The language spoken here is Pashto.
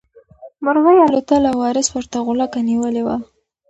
مرغۍ الوتله او وارث ورته غولکه نیولې وه.